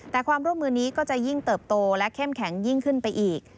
แต่ความร่วมมือนี้ก็จะยิ่งเติบโตและเข้มแข็งยิ่งขึ้นไปอีก